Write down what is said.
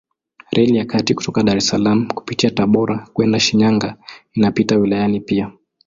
Reli ya kati kutoka Dar es Salaam kupitia Tabora kwenda Shinyanga inapita wilayani pia.